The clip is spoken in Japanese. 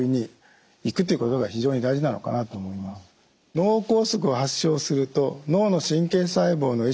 脳梗塞を発症すると脳の神経細胞のえ